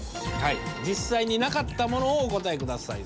実際になかったものをお答え下さい。